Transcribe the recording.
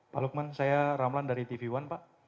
pak lukman saya ramlan dari tv one pak